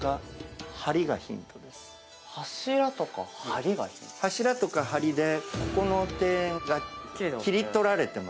柱とか梁でここの庭園が切り取られてますよね。